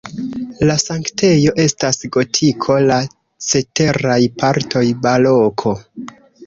La sanktejo estas gotiko, la ceteraj partoj baroko.